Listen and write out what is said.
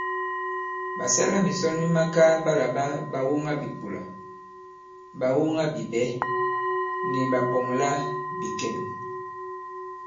Ɓàsɛlamìsɔn mi makaa ɓa làɓa ɓàwoŋabìkolà, ɓàwoŋabiɓɛ̌ ni ɓàpɔ̀ŋlabìkɛ̀n.